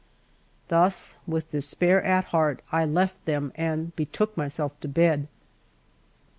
Thus, with despair at heart, I left them, and betook myself to bed.